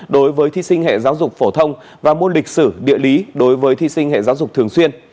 đối với thí sinh hệ giáo dục phổ thông và môn lịch sử địa lý đối với thi sinh hệ giáo dục thường xuyên